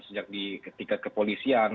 sejak ketika kepolisian